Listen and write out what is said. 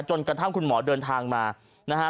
จนกระทั่งคุณหมอเดินทางมานะฮะ